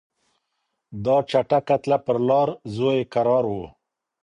دا چټکه تله پر لار زوی یې کرار و